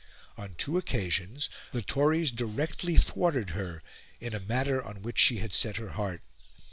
On two occasions, the Tories directly thwarted her in a matter on which she had set her heart.